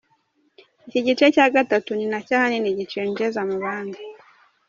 Iki gice cya gatatu ni nacyo ahanini gicengeza mu bandi.